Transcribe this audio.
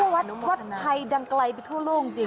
วัดวัดไทยดังไกลไปทั่วโลกจริง